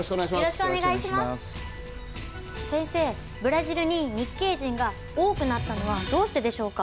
ブラジルに日系人が多くなったのはどうしてでしょうか？